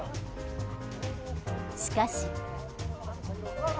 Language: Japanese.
しかし。